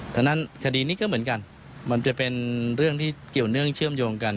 ฉะนั้นคดีนี้ก็เหมือนกันมันจะเป็นเรื่องที่เกี่ยวเนื่องเชื่อมโยงกัน